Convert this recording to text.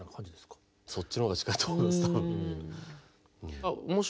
そっちの方が近いと思います。